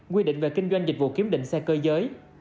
quy định về kinh doanh dịch vụ kiếm định xe cơ giới